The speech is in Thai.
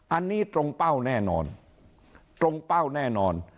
อันนี้ตรงเป้าแน่นอนตรงเป้าแน่นอน